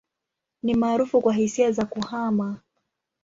Ni maarufu kwa hisia za kuhama.